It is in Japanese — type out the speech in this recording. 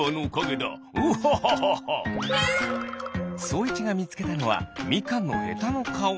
そういちがみつけたのはみかんのへたのかお。